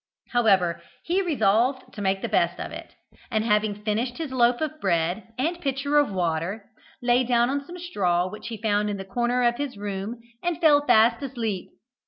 However, he resolved to make the best of it; and having finished his loaf of bread and pitcher of water, lay down on some straw which he found in the corner of his room, and fell fast asleep.